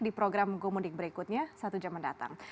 di program gomudik berikutnya satu jam mendatang